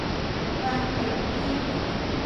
懸低肩